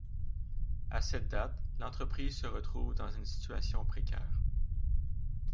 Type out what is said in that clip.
À cette date, l’entreprise se retrouve dans une situation précaire.